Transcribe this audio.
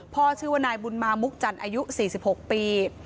ชื่อว่านายบุญมามุกจันทร์อายุ๔๖ปี